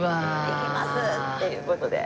「行きます！」っていう事で。